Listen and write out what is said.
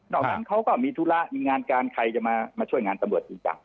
อกนั้นเขาก็มีธุระมีงานการใครจะมาช่วยงานตำรวจจริงจัง